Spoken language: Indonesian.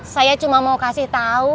saya cuma mau kasih tahu